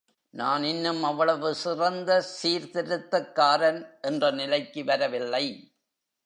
நான் இன்னும் அவ்வளவு சிறந்த சீர்திருத்தக்காரன் என்ற நிலைக்கு வரவில்லை.